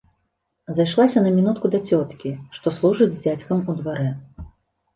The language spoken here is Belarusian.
Зайшлася на мінутку да цёткі, што служыць з дзядзькам у дварэ.